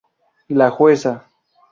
La jueza.